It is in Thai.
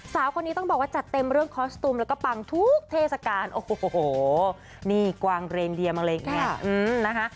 สาวคนนี้ต้องบอกว่าจัดเต็มเรื่องคอสตูมแล้วก็ปังทุกเทศกาลโอ้โหนี่กวางเรนเดียมาอะไรอย่างนี้นะคะ